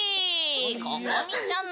ここみちゃん。